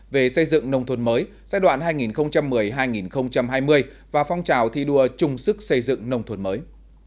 về xây dựng nông thuật mới giai đoạn hai nghìn một mươi hai nghìn hai mươi và phong trào thi đua trung sức xây dựng nông thuật mới